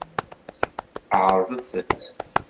Ɛeṛḍet-t.